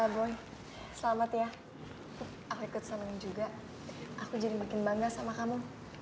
boy selamat ya aku ikut senang juga aku jadi makin bangga sama kamu